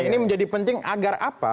ini menjadi penting agar apa